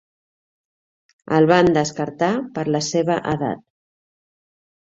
El van descartar per la seva edat.